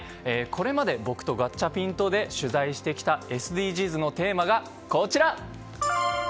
これまで僕とガチャピンとで取材してきたＳＤＧｓのテーマがこちら！